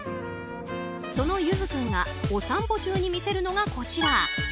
そのゆず君がお散歩中に見せるのが、こちら。